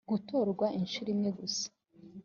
gutorwa inshuro imwe gusa